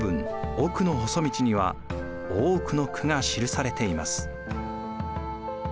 「奥の細道」には多くの句が記されています。